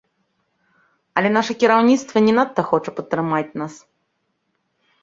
Але наша кіраўніцтва не надта хоча падтрымаць нас.